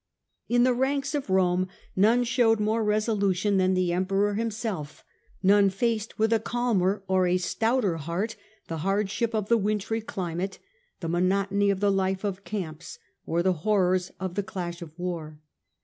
In the ranks of Rome none showed more resolution than the Emperor himself, none faced with a calmer or a stouter heart the hardship of the wintry climate, the monotony of the life of camps, or the horrors of the crash of war.